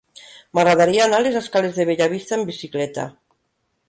M'agradaria anar a les escales de Bellavista amb bicicleta.